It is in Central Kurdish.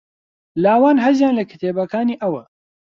لاوان حەزیان لە کتێبەکانی ئەوە.